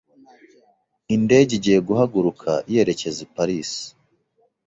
Indege igiye guhaguruka yerekeza i Paris.